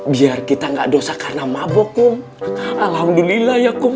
biar kita tidak dosa karena mabok kum alhamdulillah ya kum